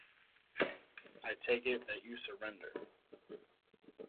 I take it that you surrender.